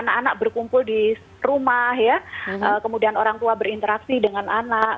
anak anak berkumpul di rumah ya kemudian orang tua berinteraksi dengan anak